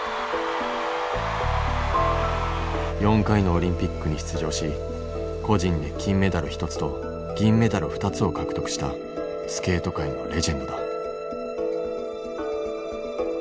４回のオリンピックに出場し個人で金メダル１つと銀メダル２つを獲得したスケート界のレジェンドだ。